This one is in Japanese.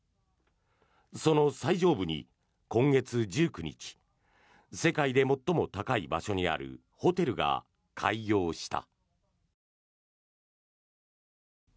その最上部に今月１９日世界で最も高い場所にあるホテルが開業した。